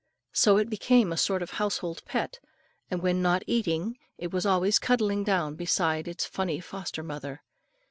So it became a sort of household pet, and when not eating, it was always cuddling down beside its funny foster mother.